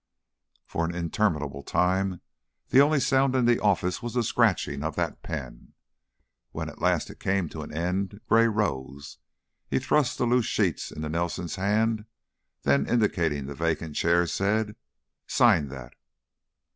For an interminable time the only sound in the office was the scratching of that pen. When at last it came to an end, Gray rose, thrust the loose sheets into Nelson's hand, then, indicating the vacant chair, said: "Sign that!"